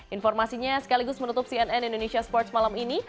informasinya sekaligus menutup cnn indonesia sports malam ini